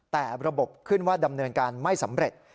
แต่ระบบขึ้นว่าดำเนินการไม่สำเร็จ